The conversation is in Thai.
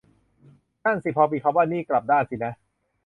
นั่นสิพอมีคำว่า นี่กลับด้านสินะ